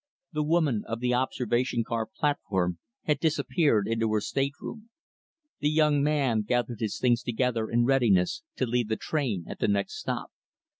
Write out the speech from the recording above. The woman of the observation car platform had disappeared into her stateroom. The young man gathered his things together in readiness to leave the train at the next stop.